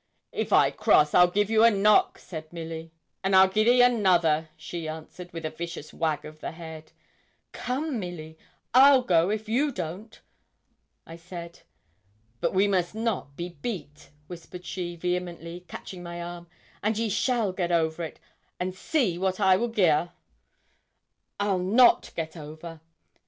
'If I cross, I'll give you a knock,' said Milly. 'And I'll gi' thee another,' she answered, with a vicious wag of the head. 'Come, Milly, I'll go if you don't,' I said. 'But we must not be beat,' whispered she, vehemently, catching my arm; 'and ye shall get over, and see what I will gi' her!' 'I'll not get over.'